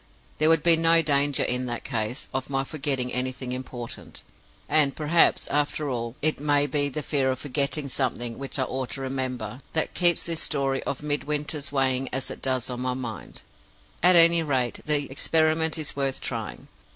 There would be no danger, in that case, of my forgetting anything important. And perhaps, after all, it may be the fear of forgetting something which I ought to remember that keeps this story of Midwinter's weighing as it does on my mind. At any rate, the experiment is worth trying.